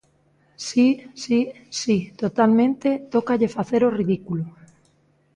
Si, si, si, totalmente, tócalle facer o ridículo.